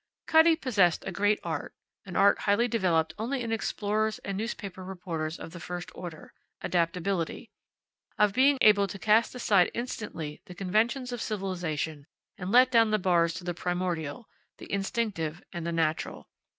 Cutty possessed a great art, an art highly developed only in explorers and newspaper reporters of the first order adaptability; of being able to cast aside instantly the conventions of civilization and let down the bars to the primordial, the instinctive, and the natural.